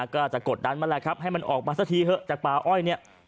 ก็จะกดดันมาให้มันออกไปสักทีเถอะจากปลาอ้อย